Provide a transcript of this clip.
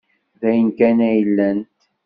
D ayen kan ay lant.